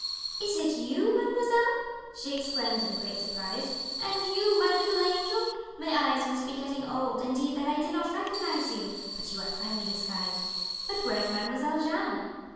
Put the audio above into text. "Is it you, mademoiselle?" she exclaimed in great surprise. "And you, my little angel? My eyes must be getting old, indeed, that I did not recognize you; but you are finely disguised. But where is Mademoiselle Jeanne?"